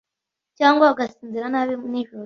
cyangwa ugasinzira nabi nijoro